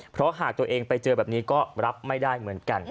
เพราะหากตัวเองไปเจอแบบนี้ก็รับไม่ได้เหมือนกัน